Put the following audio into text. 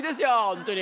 本当に。